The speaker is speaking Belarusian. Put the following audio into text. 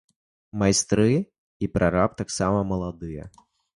Майстры і прараб таксама маладыя.